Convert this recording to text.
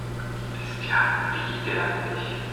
Ist ja widerlich